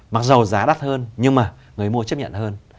mặc dù giá đắt hơn nhưng mà người mua chấp nhận hơn